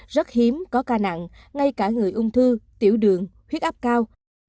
rất hiếm có ca nặng ngay cả người ung thư tiểu đường huyết áp cao